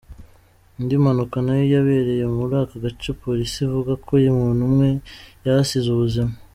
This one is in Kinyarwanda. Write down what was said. Indi mpanuka nayo yabereye muri aka gace, Polisi ivuga ko umuntu umwe yahasize ubuzima.